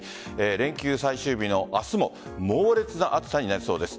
連休最終日の明日も猛烈な暑さになりそうです。